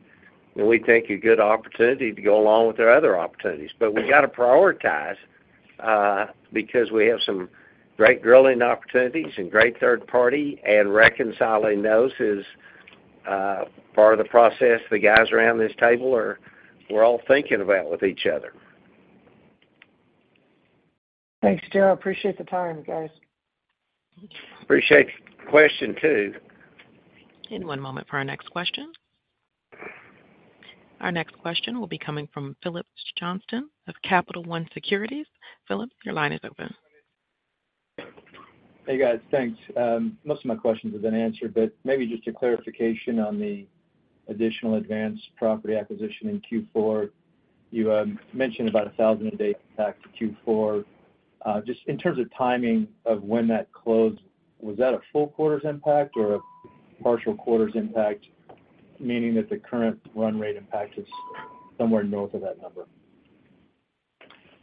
Speaker 3: and we think a good opportunity to go along with our other opportunities. But we've got to prioritize, because we have some great drilling opportunities and great third party, and reconciling those is, part of the process the guys around this table are, we're all thinking about with each other.
Speaker 17: Thanks, Joe. I appreciate the time, guys.
Speaker 3: Appreciate the question, too.
Speaker 1: One moment for our next question. Our next question will be coming from Philip Johnston of Capital One Securities. Philip, your line is open.
Speaker 18: Hey, guys. Thanks. Most of my questions have been answered, but maybe just a clarification on the additional Advance property acquisition in Q4. You mentioned about 1,000 net acres back to Q4. Just in terms of timing of when that closed, was that a full quarter's impact or a partial quarter's impact, meaning that the current run rate impact is somewhere north of that number?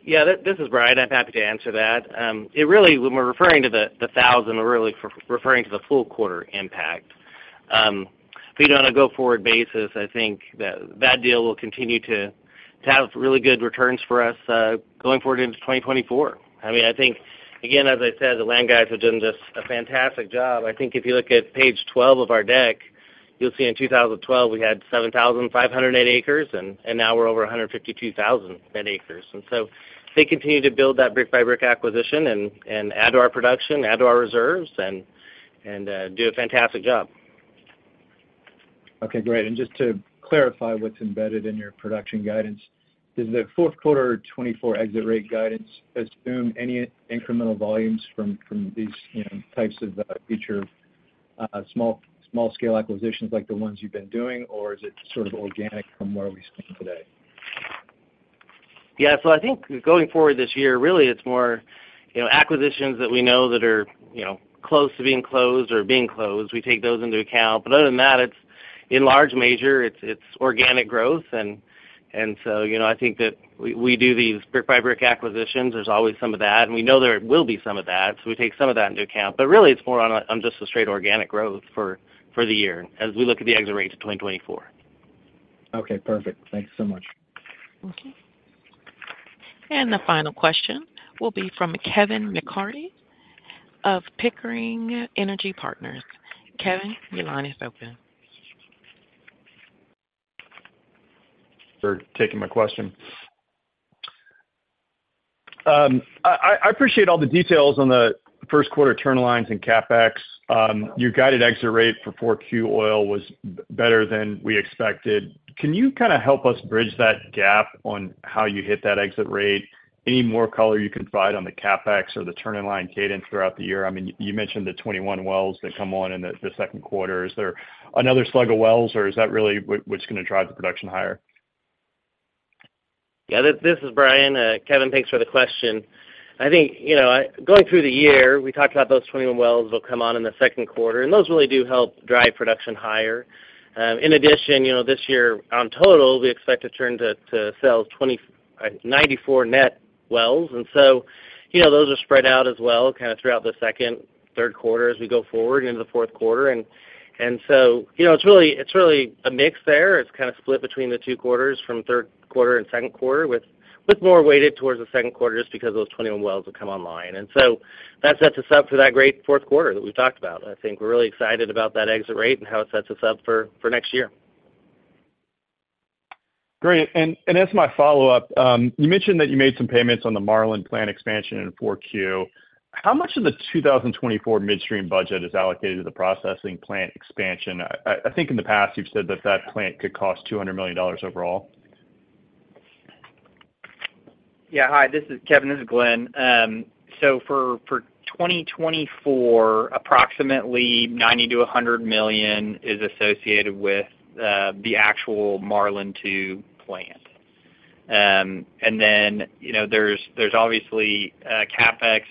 Speaker 14: Yeah, this, this is Brian. I'm happy to answer that. It really, when we're referring to the thousand, we're really referring to the full quarter impact. But, you know, on a go-forward basis, I think that that deal will continue to have really good returns for us, going forward into 2024. I mean, I think, again, as I said, the land guys have done just a fantastic job. I think if you look at page 12 of our deck, you'll see in 2012, we had 7,500 net acres, and now we're over 152,000 net acres. And so they continue to build that brick by brick acquisition and add to our production, add to our reserves, and do a fantastic job.
Speaker 18: Okay, great. And just to clarify what's embedded in your production guidance, does the fourth quarter 2024 exit rate guidance assume any incremental volumes from these, you know, types of future small scale acquisitions, like the ones you've been doing, or is it sort of organic from where we stand today?
Speaker 14: Yeah. So I think going forward this year, really it's more, you know, acquisitions that we know that are, you know, close to being closed or being closed. We take those into account. But other than that, it's in large measure, it's organic growth. And so, you know, I think that we do these brick by brick acquisitions. There's always some of that, and we know there will be some of that, so we take some of that into account. But really, it's more on just the straight organic growth for the year as we look at the exit rates of 2024.
Speaker 18: Okay, perfect. Thank you so much.
Speaker 1: Okay. And the final question will be from Kevin MacCurdy of Pickering Energy Partners. Kevin, your line is open. ...
Speaker 19: For taking my question. I appreciate all the details on the first quarter turn-in-lines and CapEx. Your guided exit rate for 4Q oil was better than we expected. Can you kind of help us bridge that gap on how you hit that exit rate? Any more color you can provide on the CapEx or the turn-in-line cadence throughout the year? I mean, you mentioned the 21 wells that come on in the second quarter. Is there another slug of wells, or is that really what's gonna drive the production higher?
Speaker 14: Yeah, this is Brian. Kevin, thanks for the question. I think, you know, going through the year, we talked about those 21 wells will come on in the second quarter, and those really do help drive production higher. In addition, you know, this year, on total, we expect to turn to, to sell 94 net wells. And so, you know, those are spread out as well, kind of throughout the second, third quarter as we go forward into the fourth quarter. And so, you know, it's really, it's really a mix there. It's kind of split between the two quarters from third quarter and second quarter, with more weighted towards the second quarter, just because those 21 wells will come online. And so that sets us up for that great fourth quarter that we've talked about. I think we're really excited about that exit rate and how it sets us up for next year.
Speaker 19: Great. And, and as my follow-up, you mentioned that you made some payments on the Marlan plant expansion in 4Q. How much of the 2024 midstream budget is allocated to the processing plant expansion? I, I think in the past, you've said that that plant could cost $200 million overall.
Speaker 5: Yeah. Hi, this is Kevin, this is Glenn. So for 2024, approximately $90 million to $100 million is associated with the actual Marlan II plant. And then, you know, there's obviously CapEx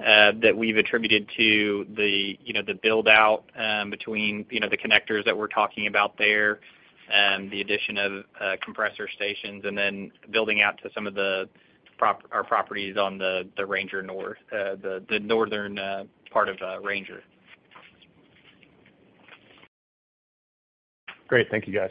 Speaker 5: that we've attributed to the, you know, the build-out between, you know, the connectors that we're talking about there, the addition of compressor stations, and then building out to some of our properties on the Ranger North, the northern part of Ranger.
Speaker 19: Great. Thank you, guys.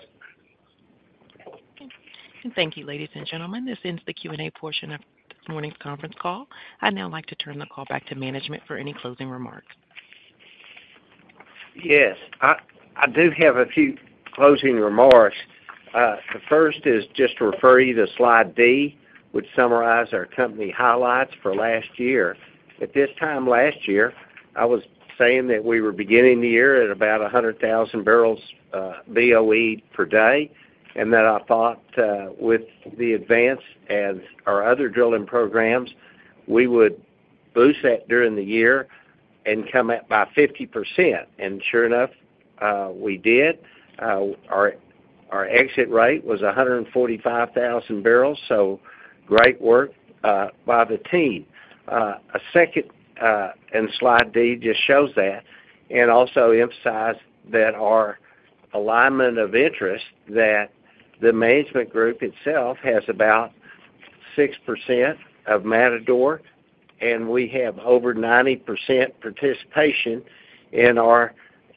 Speaker 1: Thank you, ladies and gentlemen. This ends the Q&A portion of this morning's conference call. I'd now like to turn the call back to management for any closing remarks.
Speaker 3: Yes, I, I do have a few closing remarks. The first is just to refer you to slide D, which summarize our company highlights for last year. At this time last year, I was saying that we were beginning the year at about 100,000 barrels, BOE per day, and that I thought, with the advance as our other drilling programs, we would boost that during the year and come up by 50%. And sure enough, we did. Our exit rate was 145,000 barrels, so great work, by the team. A second, and slide D just shows that, and also emphasize that our alignment of interest, that the management group itself has about 6% of Matador, and we have over 90% participation in our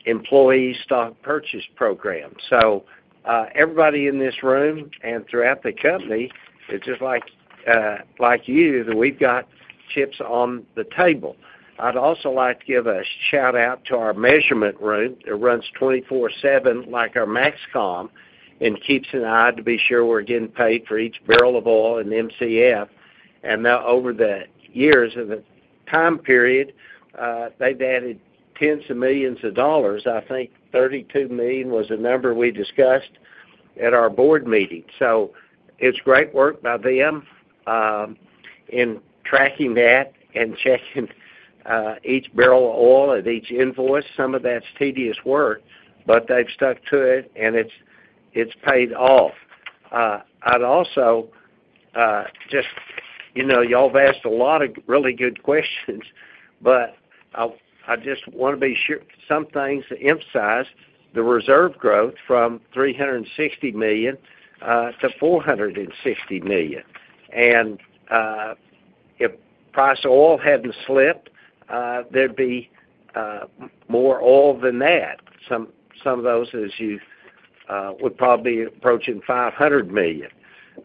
Speaker 3: employee stock purchase program. So, everybody in this room and throughout the company, it's just like, like you, that we've got chips on the table. I'd also like to give a shout-out to our measurement room. It runs 24/7 like our MAXCOM, and keeps an eye to be sure we're getting paid for each barrel of oil and Mcf. And now, over the years, of the time period, they've added tens of millions of dollars. I think $32 million was the number we discussed at our board meeting. So it's great work by them in tracking that and checking each barrel of oil at each invoice. Some of that's tedious work, but they've stuck to it, and it's paid off. I'd also, just, you know, y'all have asked a lot of really good questions, but I, I just want to be sure. Some things to emphasize, the reserve growth from 360 million to 460 million. And, if oil price hadn't slipped, there'd be more oil than that. Some, some of those, as you would probably be approaching 500 million.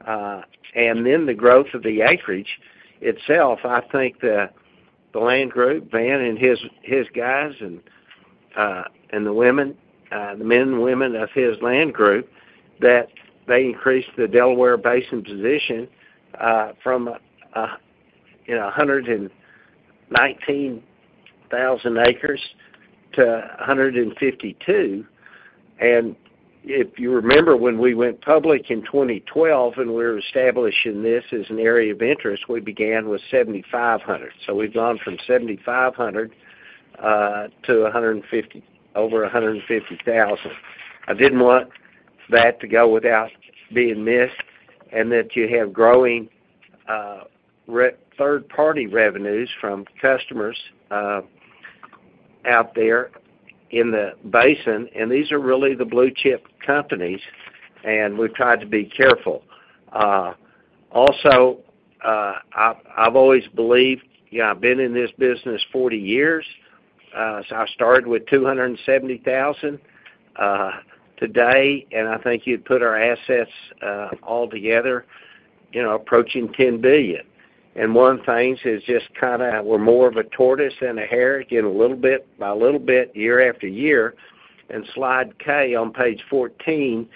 Speaker 3: And then the growth of the acreage itself, I think the land group, Van and his guys and the women, the men and women of his land group, that they increased the Delaware Basin position from, you know, 119,000 acres to 152,000 acres. If you remember, when we went public in 2012, and we were establishing this as an area of interest, we began with 7,500. So we've gone from 7,500 to 150, over 150,000. I didn't want that to go without being missed, and that you have growing third-party revenues from customers out there in the basin, and these are really the blue chip companies, and we've tried to be careful. Also, I've always believed, you know, I've been in this business 40 years, so I started with $270,000 today, and I think you'd put our assets all together, you know, approaching $10 billion. One thing is just kind of we're more of a tortoise than a hare, getting a little bit by little bit, year after year. And slide K on page 14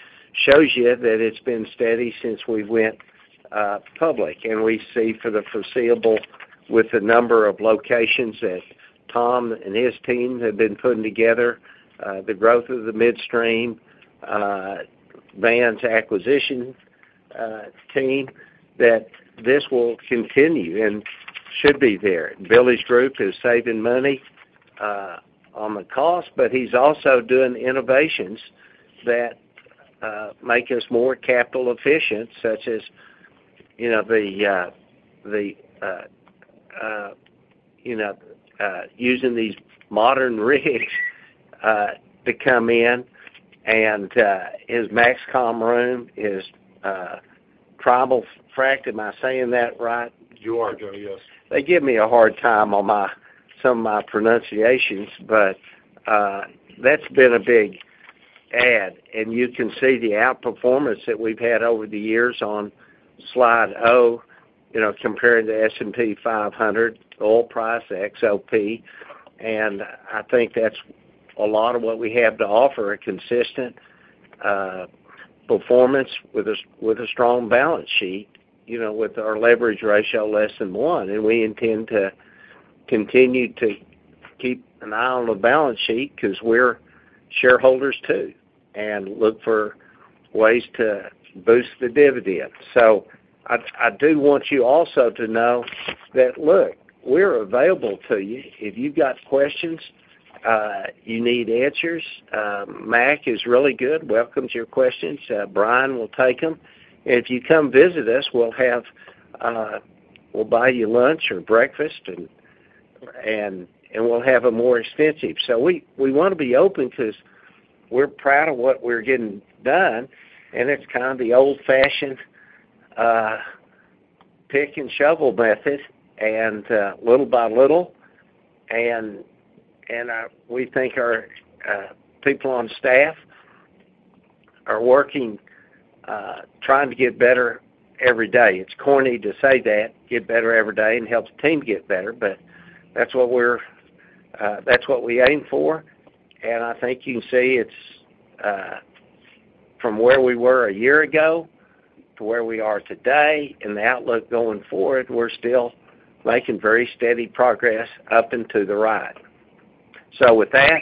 Speaker 3: shows you that it's been steady since we went public. And we see for the foreseeable, with the number of locations that Tom and his team have been putting together, the growth of the midstream, Van's acquisition team, that this will continue and should be there. Billy's group is saving money on the cost, but he's also doing innovations that make us more capital efficient, such as, you know, using these modern rigs to come in, and his MAXCOM room, his trimul-frac. Am I saying that right?
Speaker 2: You are, Joe, yes.
Speaker 3: They give me a hard time on my, some of my pronunciations, but that's been a big add, and you can see the outperformance that we've had over the years on slide O, you know, comparing the S&P 500, oil price, XOP. And I think that's a lot of what we have to offer, a consistent performance with a strong balance sheet, you know, with our leverage ratio less than one. And we intend to continue to keep an eye on the balance sheet because we're shareholders, too, and look for ways to boost the dividend. So I do want you also to know that, look, we're available to you. If you've got questions, you need answers, Mac is really good, welcomes your questions. Brian will take them. If you come visit us, we'll buy you lunch or breakfast, and we'll have it more extensive. So we want to be open because we're proud of what we're getting done, and it's kind of the old-fashioned pick-and-shovel method, and little by little, and we think our people on staff are working, trying to get better every day. It's corny to say that, get better every day and helps the team get better, but that's what we're, that's what we aim for. And I think you can see it's from where we were a year ago to where we are today and the outlook going forward, we're still making very steady progress up and to the right. With that,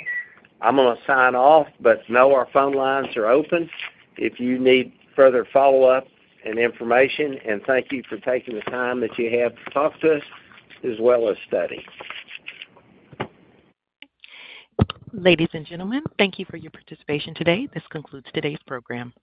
Speaker 3: I'm going to sign off, but know our phone lines are open if you need further follow-up and information. Thank you for taking the time that you have to talk to us, as well as study.
Speaker 1: Ladies and gentlemen, thank you for your participation today. This concludes today's program.